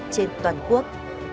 trên toàn quốc